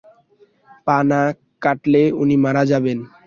পা না কাটলে উনি মারা যাবেন।